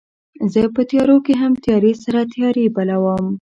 زه په تیارو کې هم تیارې سره تیارې بلوم